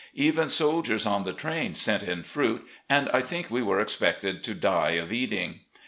Even soldiers on the train sent in fruit, and I tbink we were expected to die of eating.